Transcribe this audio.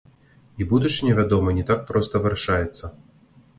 І будучыня, вядома, не так проста вырашаецца.